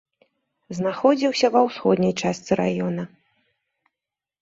Знаходзіўся ва ўсходняй частцы раёна.